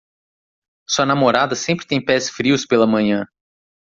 Sua namorada sempre tem pés frios pela manhã.